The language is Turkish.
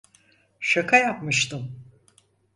Şaka yapmıştım.